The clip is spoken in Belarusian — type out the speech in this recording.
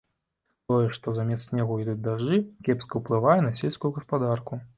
Тое, што замест снегу ідуць дажджы, кепска ўплывае на сельскую гаспадарку.